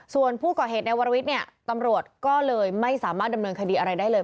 ส่วนผู้ก่อเหตุในวรวิทย์เนี่ยตำรวจก็เลยไม่สามารถดำเนินคดีอะไรได้เลย